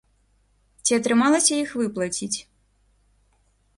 Ці атрымалася іх выплаціць?